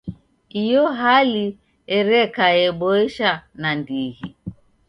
Iyo hali ereka eobosha nandighi.